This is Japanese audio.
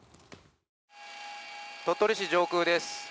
鳥取市上空です。